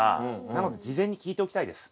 なので事前に聞いておきたいです。